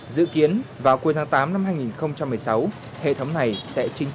dự kiến vào cuối tháng tám năm hai nghìn một mươi sáu